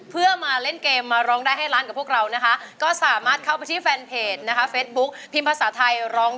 เพลงที่หนึ่งมูลค่า๓๐๐๐บาทคุณหนูนาร้อง